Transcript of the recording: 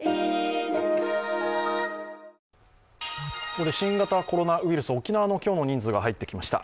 ここで新型コロナウイルス、沖縄の今日の人数が入ってきました。